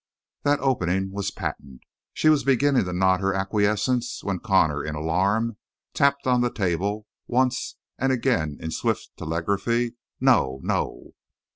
The opening was patent. She was beginning to nod her acquiescence when Connor, in alarm, tapped on the table, once and again in swift telegraphy: "No! No!"